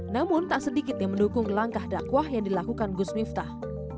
namun tak sedikit yang mendukung langkah dakwah yang dilakukan gus miftah